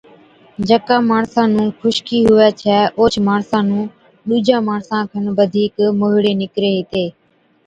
جڪا ماڻسا نُون خُشڪِي هُوَي ڇَي اوهچ ماڻسا نُون ڏُوجان ماڻسان کن بڌِيڪ موهِيڙي نِڪري هِتي۔